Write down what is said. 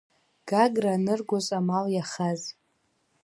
Гагра аныргоз амал иахаз…